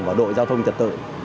và đội giao thông trật tự